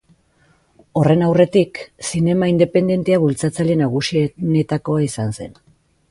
Horren aurretik, zinema independentea bultzatzaile nagusienetakoa izan zen.